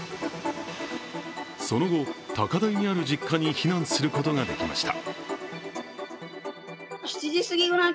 その後、高台にある実家に避難することができました。